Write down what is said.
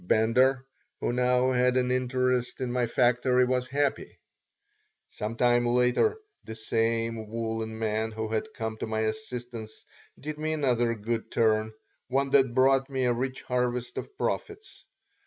Bender, who now had an interest in my factory, was happy Some time later the same woolen man who had come to my assistance did me another good turn, one that brought me a rich harvest of profits.